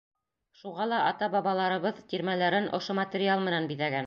Шуға ла ата-бабаларыбыҙ тирмәләрен ошо материал менән биҙәгән.